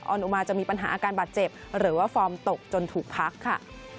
อนุมาจะมีปัญหาอาการบาดเจ็บหรือว่าฟอร์มตกจนถูกพักค่ะ